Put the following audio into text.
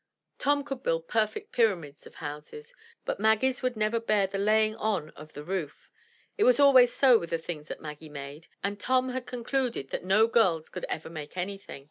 Tom could build perfect pyramids of houses, but Maggie's would never bear the laying on of the roof. It was always so with the things that Maggie made, and Tom had con cluded that no girls could ever make anything.